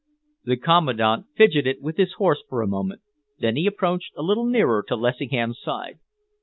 The Commandant fidgeted with his horse for a moment. Then he approached a little nearer to Lessingham's side.